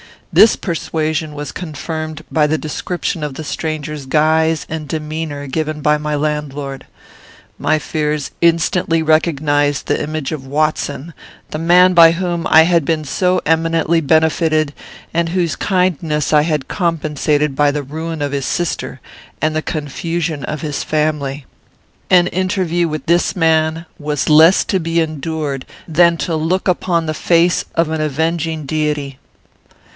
This persuasion was confirmed by the description of the stranger's guise and demeanour given by my landlord. My fears instantly recognised the image of Watson, the man by whom I had been so eminently benefited, and whose kindness I had compensated by the ruin of his sister and the confusion of his family. "An interview with this man was less to be endured than to look upon the face of an avenging deity.